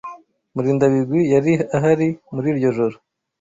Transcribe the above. Murindabigwi yari ahari muri iryo joro.